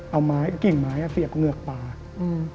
เอาไม้กิ่งไม้อ่ะเสียบเหงือกปากอืม